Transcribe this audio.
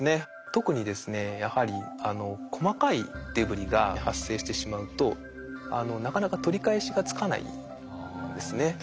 特にですねやはり細かいデブリが発生してしまうとなかなか取り返しがつかないんですね。